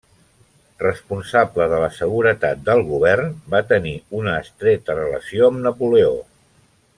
Responsable de la seguretat del govern, va tenir una estreta relació amb Napoleó.